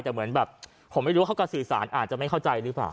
แต่เหมือนแบบผมไม่รู้ว่าเขาก็สื่อสารอาจจะไม่เข้าใจหรือเปล่า